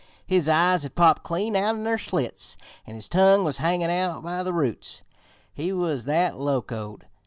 His eyes had popped clean out'n their slits, an' his tongue was hangin' out by the roots, he was that locoed.